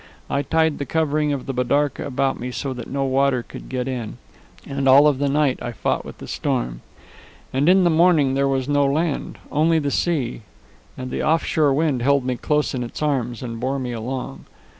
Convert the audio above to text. I tied the covering of the bidarka about me so that no water could get in, and all of the night I fought with the storm. And in the morning there was no land, only the sea, and the off shore wind held me close in its arms and bore me along.